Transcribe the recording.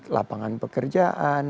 bagaimana pengembangan pekerjaan